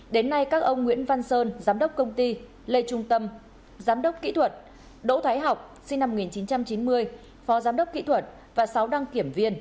đến nay các ông nguyễn văn sơn giám đốc công ty lê trung tâm giám đốc kỹ thuật đỗ thái học sinh năm một nghìn chín trăm chín mươi phó giám đốc kỹ thuật và sáu đăng kiểm viên